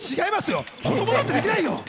子供だってできないよ。